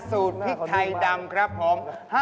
สูตรพริกไทยดำครับผม